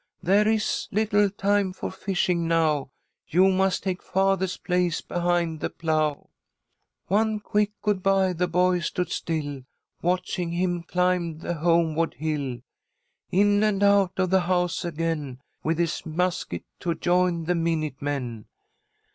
There is little time for fishing now, You must take father's place behind the plough.' One quick good bye! The boy stood still, Watching him climb the homeward hill In and out of the house again, With his musket, to join the 'Minute Men.'